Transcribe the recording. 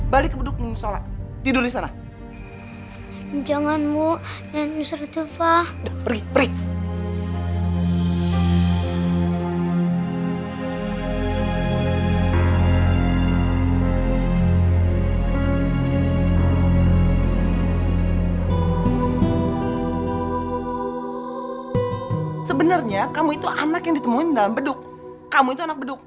balik ke beduk minggu sholat